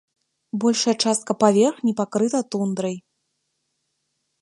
Большая частка паверхні пакрыта тундрай.